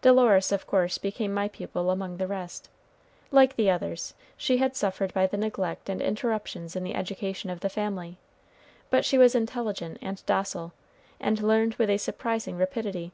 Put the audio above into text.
Dolores, of course, became my pupil among the rest. Like the others, she had suffered by the neglect and interruptions in the education of the family, but she was intelligent and docile, and learned with a surprising rapidity.